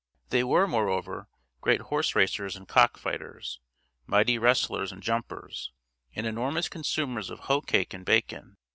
They were, moreover, great horse racers and cock fighters, mighty wrestlers and jumpers, and enormous consumers of hoe cake and bacon.